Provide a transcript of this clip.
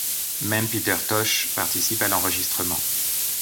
Même Peter Tosh participe à l'enregistrement.